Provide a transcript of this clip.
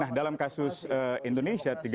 nah dalam kasus indonesia